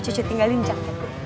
cucu tinggalin jam